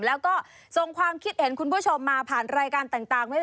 แล้วก็ส่งความคิดเห็นคุณผู้ชมมาผ่านรายการต่างไว้